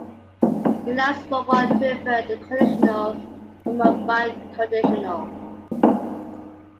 It allows for one to infer a conditional from a biconditional.